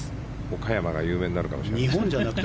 岡山が有名になるかもしれない。